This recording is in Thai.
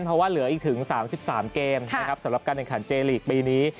เพราะว่าเหลืออีกถึง๓๓เกมนะครับสำหรับการแข่งขันเจลีกปีนี้